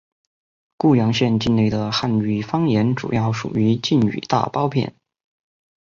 固阳县境内的汉语方言主要属于晋语大包片。